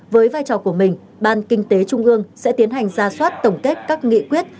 với vai trò của mình ban kinh tế trung ương sẽ tiến hành ra soát tổng kết các nghị quyết